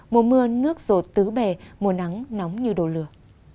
mùa mưa nước rột tứ bề mùa nắng nóng như đồ lửa